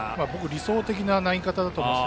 理想的な投げ方だと思います。